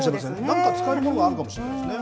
なんか使えるものがあるかもしれないですね。